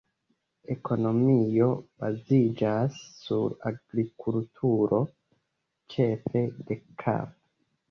Ekonomio baziĝas sur agrikulturo, ĉefe de kafo.